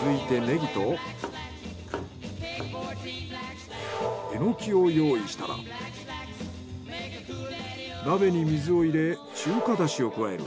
続いてネギとエノキを用意したら鍋に水を入れ中華だしを加える。